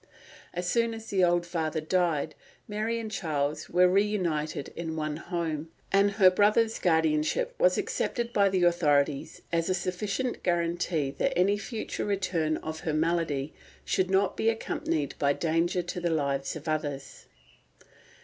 As soon as the old father died, Mary and Charles were reunited in one home, and her brother's guardianship was accepted by the authorities as a sufficient guarantee that any future return of her malady should not be accompanied by danger to the lives of others.